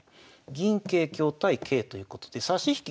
銀桂香対桂ということで差し引き